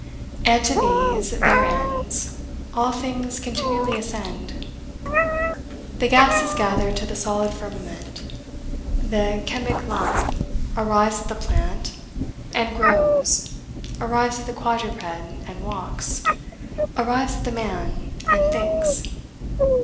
And to these, their ends, all things continually ascend. The gases gather to the solid firmament; the chemic lump arrives at the plant, and grows; arrives at the quadruped, and walks; arrives at the man, and thinks.